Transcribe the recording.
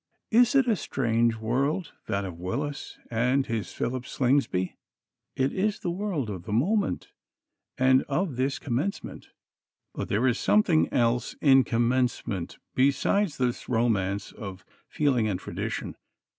Is it a strange world that of Willis and his Philip Slingsby? It is the world of the moment and of this Commencement. But there is something else in Commencement besides this romance of feeling and tradition.